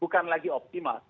bukan lagi optimal